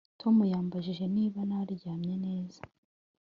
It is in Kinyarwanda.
Tom yambajije niba naryamye neza